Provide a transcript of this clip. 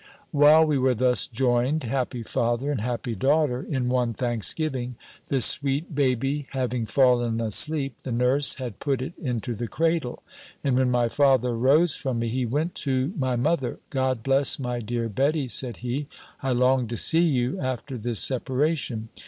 While we were thus joined, happy father, and happy daughter, in one thanksgiving, the sweet baby having fallen asleep, the nurse had put it into the cradle; and when my father rose from me, he went to my mother, "God bless my dear Betty," said he, "I longed to see you, after this separation.